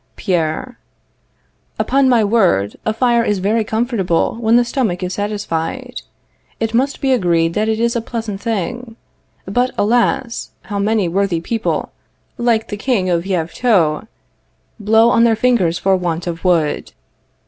] Pierre. Upon my word, a fire is very comfortable when the stomach is satisfied. It must be agreed that it is a pleasant thing. But, alas! how many worthy people like the King of Yvetot, "Blow on their fingers for want of wood."